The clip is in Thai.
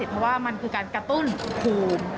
เพราะว่ามันคือการกระตุ้นภูมิ